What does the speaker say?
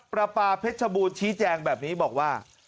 ปลาปลาเพชรบูรณชี้แจงแบบนี้บอกว่า